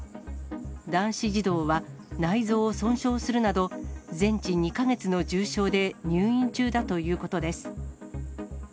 男子児童は内臓を損傷するなど、全治２か月の重傷で入院中だということです。